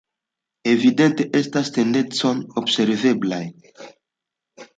Evidente estas tendencoj observeblaj.